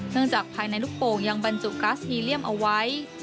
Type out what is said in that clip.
จากภายในลูกโป่งยังบรรจุก๊าสฮีเลี่ยมเอาไว้